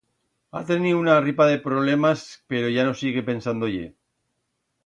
Ha teniu una ripa de problemas, pero ya no sigue pensando-ie.